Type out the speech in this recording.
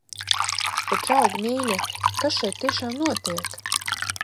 Bet, draugi mīļie, kas šeit tiešām notiek?